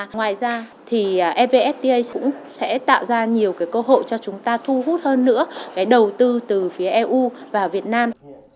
và ngoài ra thì evfta cũng sẽ tạo ra nhiều cái cơ hội cho chúng ta thu hút hơn nữa cái đầu tư từ phía eu vào việt nam